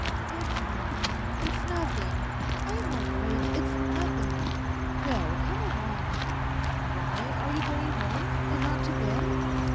..."" It's nothing, it's nothing. I am all right, it's nothing. Well, come along !"" Why, are you going home, and not to them